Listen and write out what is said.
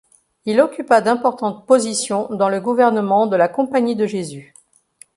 Il occupa d’importantes positions dans le gouvernement de la Compagnie de Jésus.